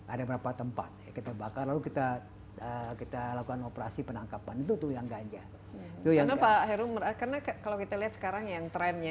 ada berapa tempat kita bakar lalu kita kita lakukan operasi penangkapan itu yang ganja itu yang kalau